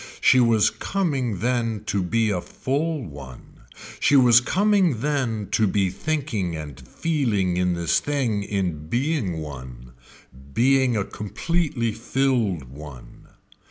She was coming then to be a full one, she was coming then to be thinking and feeling in this thing in being one being a completely filled one.